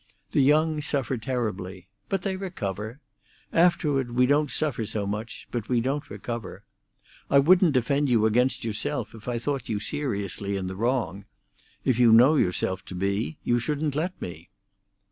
"The young suffer terribly. But they recover. Afterward we don't suffer so much, but we don't recover. I wouldn't defend you against yourself if I thought you seriously in the wrong. If you know yourself to be, you shouldn't let me."